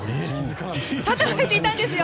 畳まれていたんですよ！